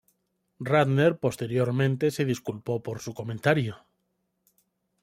Ratner posteriormente se disculpó por su comentario.